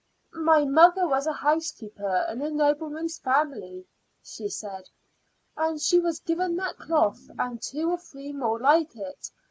"My mother was a housekeeper in a nobleman's family," she said, "and she was given that cloth and two or three more like it.